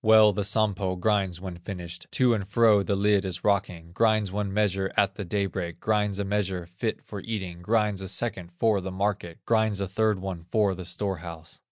Well the Sampo grinds when finished, To and fro the lid in rocking, Grinds one measure at the day break, Grinds a measure fit for eating, Grinds a second for the market, Grinds a third one for the store house.